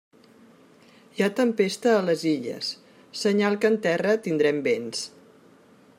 Hi ha tempesta a les Illes, senyal que en terra tindrem vents.